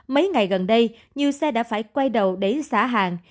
mấy ngày gần đây nhiều xe đã phải quay đầu để xả hàng